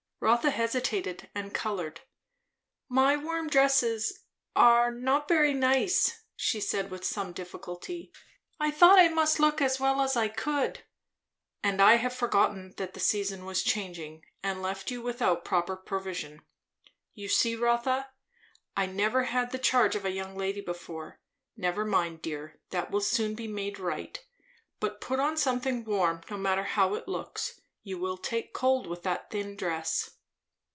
Rotha hesitated and coloured. "My warm dresses are not very nice," she said with some difficulty. "I thought I must look as well as I could." "And I have forgotten that the season was changing! and left you without proper provision. You see, Rotha, I never had the charge of a young lady before. Never mind, dear; that will soon be made right. But put on something warm, no matter how it looks. You will take cold with that thin dress."